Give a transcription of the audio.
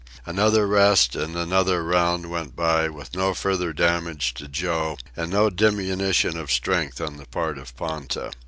Another rest and another round went by, with no further damage to Joe and no diminution of strength on the part of Ponta.